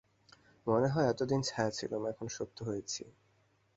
মনে হয়, এতদিন ছায়া ছিলুম, এখন সত্য হয়েছি।